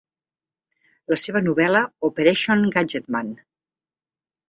La seva novel·la "Operation Gadgetman"!